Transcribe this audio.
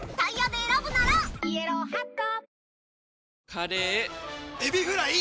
カレーエビフライ！